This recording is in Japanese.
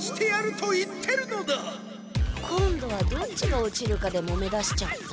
今度はどっちが落ちるかでもめだしちゃった。